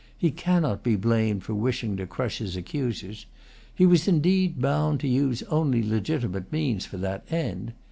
He cannot be blamed for wishing to crush his accusers. He was indeed bound to use only legitimate means for that end.